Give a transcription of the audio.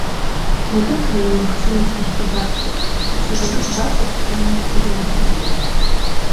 Дадуць лі ім магчымасць нешта бачыць, што дадуць бачыць, як фармуюцца вынікі.